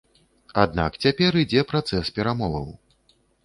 Аднак цяпер ідзе працэс перамоваў.